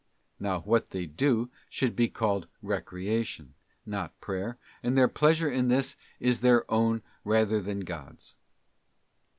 Now what they do should be called recreation, not prayer, and their pleasure in this is their own rather than God's.